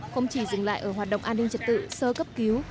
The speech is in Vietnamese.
không chỉ dừng lại ở hoạt động an ninh trật tự sơ cấp cứu